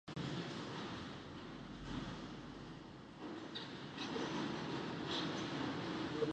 A variety of neurological symptoms, such as epilepsy and myoclonic seizures, appear.